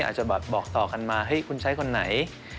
อาจจะบอกต่อกันมาคุณใช้คนไหน